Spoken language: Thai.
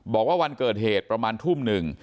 บอกว่าวันเกิดเหตุประมาณทุ่มหนึ่ง